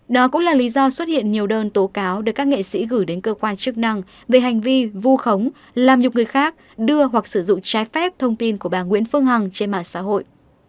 đó cũng là lý do xuất hiện nhiều đơn tố cáo được các nghệ sĩ gửi đến cơ quan chức năng về hành vi vu khống làm nhục người khác đưa hoặc sử dụng trái phép thông tin của bà nguyễn phương hằng trên mạng xã hội